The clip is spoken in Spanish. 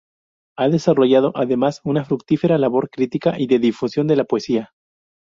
Ha desarrollado, además, una fructífera labor crítica y de difusión de la poesía.